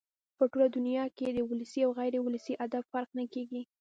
په ټوله دونیا کښي د ولسي او غیر اولسي ادب فرق نه کېږي.